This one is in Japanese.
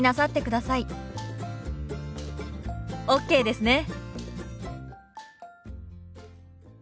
ＯＫですね！